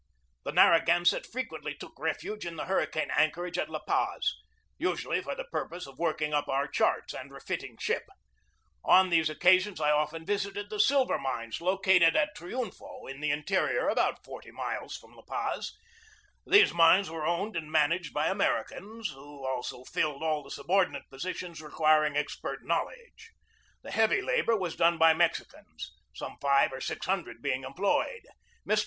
The Narragansett frequently took refuge in the hurricane anchorage at La Paz, usually for the pur pose of working up our charts and refitting ship. On these occasions I often visited the silver mines lo cated at Triunfo in the interior, about forty miles from La Paz. These mines were owned and managed by Americans, who also filled all the subordinate positions requiring expert knowledge. The heavy labor was done by Mexicans, some five or six hun dred being employed. Mr.